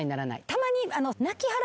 たまに。